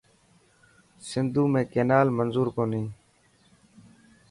سنڌو ۾ ڪينال منضور ڪوني.